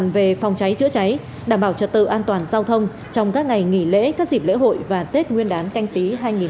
và tự an toàn giao thông trong các ngày nghỉ lễ các dịp lễ hội và tết nguyên đán canh tí hai nghìn hai mươi